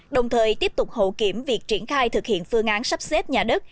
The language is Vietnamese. đồng thời tiếp tục hậu kiểm việc triển khai thực hiện phương án sắp xếp nhà đất